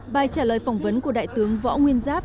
bài trả lời phỏng vấn của đại tướng võ nguyên giáp